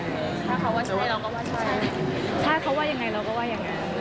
ถ้าเขาว่าใช่เราก็ว่าใช่